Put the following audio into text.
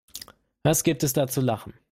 Was gibt es da zu lachen?